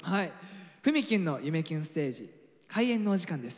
「ふみキュンの夢キュンステージ」開演のお時間です。